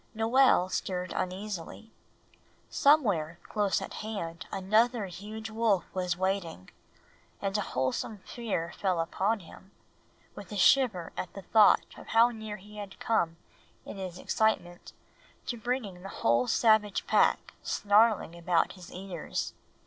Noel stirred uneasily. Somewhere close at hand another huge wolf was waiting; and a wholesome fear fell upon him, with a shiver at the thought of how near he had come in his excitement to bringing the whole savage pack snarling about his ears.